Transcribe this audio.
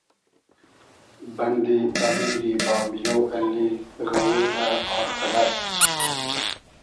بئندی امیری بامیۉ اللی غئوودۂ ، آر قئدئر